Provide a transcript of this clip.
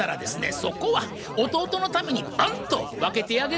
そこは弟のためにバンと分けてあげる。